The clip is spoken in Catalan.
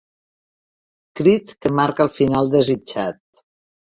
Crit que marca el final desitjat.